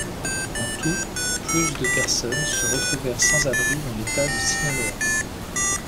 En tout, plus de personnes se retrouvèrent sans abris dans l'État de Sinaloa.